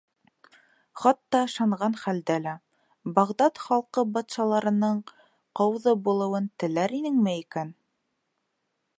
Хатта ышанған хәлдә лә, Бағдад халҡы батшаларының ҡауҙы булыуын теләр инеме икән?